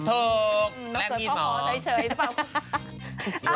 ถูกแปลงกินหมอต้องสวยเพราะขอใจเฉยใช่ป่ะ